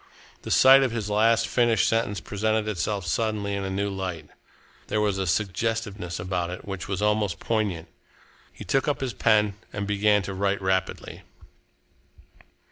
The sight of his last finished sentence presented itself suddenly in a new light. There was a suggestiveness about it which was almost poignant. He took up his pen and began to write rapidly.